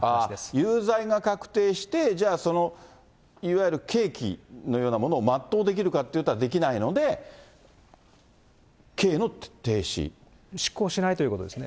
有罪が確定して、じゃあ、そのいわゆる刑期のようなものを全うできるかどうかといったらで執行をしないということですね。